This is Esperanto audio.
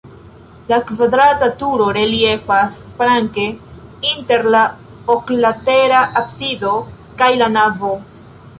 La kvadrata turo reliefas flanke inter la oklatera absido kaj la navo.